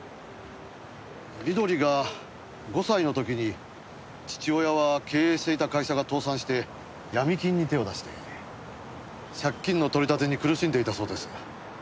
美登里が５歳の時に父親は経営していた会社が倒産して闇金に手を出して借金の取り立てに苦しんでいたそうです。